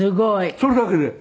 それだけで。